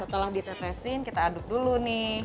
setelah ditepesin kita aduk dulu nih